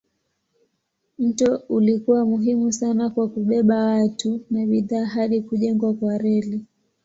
Mto ulikuwa muhimu sana kwa kubeba watu na bidhaa hadi kujengwa kwa reli.